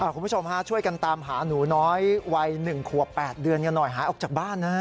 คุณผู้ชมฮะช่วยกันตามหาหนูน้อยวัย๑ขวบ๘เดือนกันหน่อยหายออกจากบ้านนะ